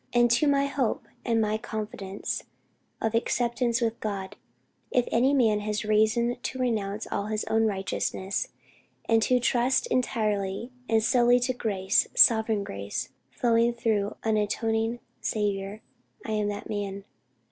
"As to my hope and my confidence of acceptance with God, if any man has reason to renounce all his own righteousness, ... and to trust entirely and solely to grace, sovereign grace, flowing through an atoning Saviour, I am that man.